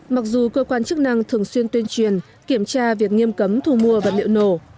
mặc dù cơ quan chức năng thường xuyên tuyên truyền kiểm tra việc nghiêm cấm thu mua vật liệu nổ